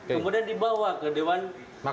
kemudian dibawa ke dewan